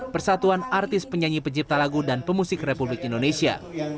persatuan artis penyanyi pencipta lagu dan pemusik republik indonesia